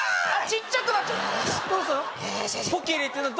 ちっちゃくなっちゃったどうすんの？